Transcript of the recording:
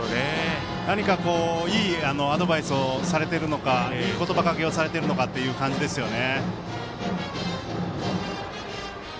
何かいいアドバイスをされているのかいい言葉がけをされているのかという感じですね。